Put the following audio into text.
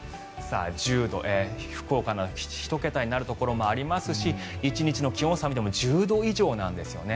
１０度、福岡など１桁になるところもありますし１日の気温差を見ても１０度以上なんですよね。